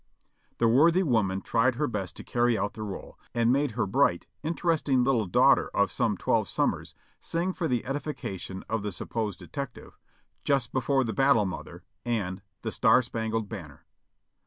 The worthy woman tried her best to carry out the role, and made her bright, interesting little daughter of some twelve sum mers sing for the edification of the supposed detective, "Ji ist before the battle, mother," and the "Star Spangled Banner."